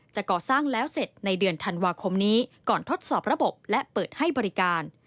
ก่อสร้างแล้วเสร็จในเดือนธันวาคมนี้ก่อนทดสอบระบบและเปิดให้บริการ